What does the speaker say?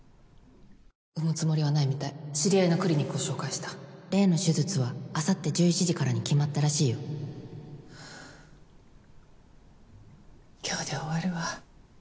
産むつもりはないみたい知り合いのクリニックを紹介した「例の手術は明後日１１時からに決まっハァ今日で終わるわ。